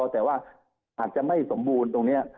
แต่ว่าอาจจะไม่สมบูรณ์ตรงนี้